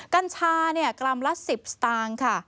กัญชากลำละ๑๐ต่าง